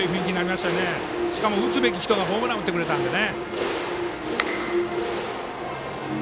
しかも打つべき人がホームランを打ってくれたのでね。